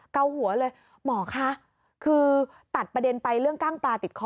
เกาหัวเลยหมอคะคือตัดประเด็นไปเรื่องกล้างปลาติดคอ